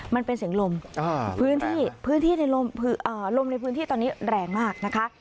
มันเป็นเสียงลมลมในพื้นที่ตอนนี้แรงมากนะคะ